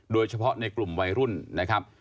โดยเฉพาะในกลุ่มวัยรุ่นนะครับ